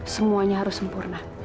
semuanya harus sempurna